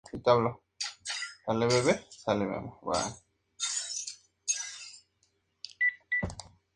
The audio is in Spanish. No obstante lo cual, proclamó que "siempre sería batllista, fuera adonde fuera".